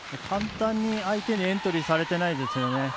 簡単に相手にエントリーされてないですよね。